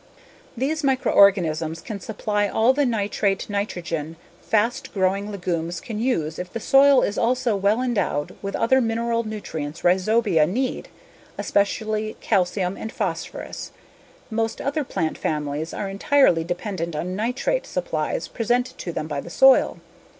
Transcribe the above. These microorganisms can supply all the nitrate nitrogen fast growing legumes can use if the soil is also well endowed with other mineral nutrients rhizobia need, especially calcium and phosphorus. Most other plant families are entirely dependent on nitrate supplies presented to them by the soil.